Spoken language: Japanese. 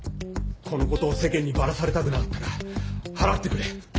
「この事を世間にバラされたくなかったら払ってくれ。